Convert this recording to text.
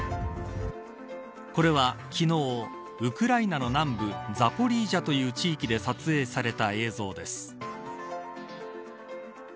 これは昨日、ウクライナの南部ザポリージャという地域で撮影された映像です。